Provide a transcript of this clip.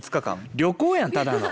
旅行やんただの。